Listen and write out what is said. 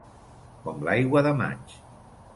Com l'aigua de maig.